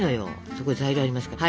そこに材料がありますから。